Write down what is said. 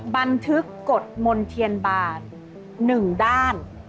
บันทึกกฎมนเทียนบาท๑ด้าน